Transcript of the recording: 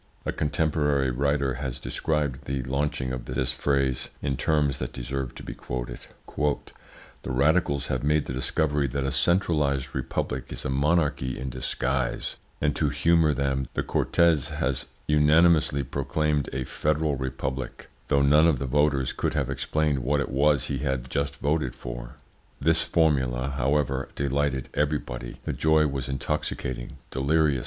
A contemporary writer has described the launching of this phrase in terms that deserve to be quoted: "The radicals have made the discovery that a centralised republic is a monarchy in disguise, and to humour them the Cortes had unanimously proclaimed a FEDERAL REPUBLIC, though none of the voters could have explained what it was he had just voted for. This formula, however, delighted everybody; the joy was intoxicating, delirious.